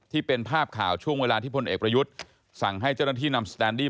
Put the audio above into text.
ที่เป็นภาพข่าวช่วงเวลาที่พลเอกประยุทธ์สั่งให้เจ้าหน้าที่นำสแตนดี้